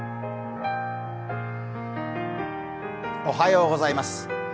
おはようございます。